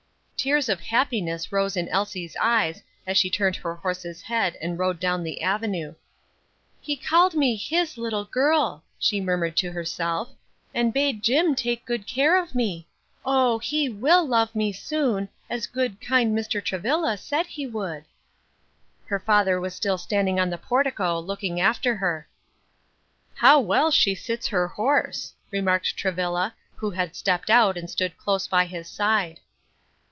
Tears of happiness rose in Elsie's eyes as she turned her horse's head and rode down the avenue. "He called me his little girl," she murmured to herself, "and bade Jim take good care of me. Oh! he will love me soon, as good, kind Mr. Travilla said he would." Her father was still standing on the portico, looking after her. "How well she sits her horse!" remarked Travilla, who had stepped out and stood close by his side.